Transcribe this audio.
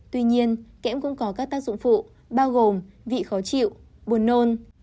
tuy nhiên kẽm cũng có các tác dụng phụ bao gồm vị khó chịu buồn nôn